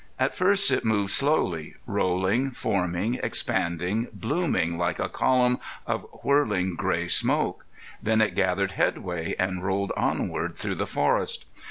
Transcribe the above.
At first it moved slowly, rolling, forming, expanding, blooming like a column of whirling gray smoke; then it gathered headway and rolled onward through the forest.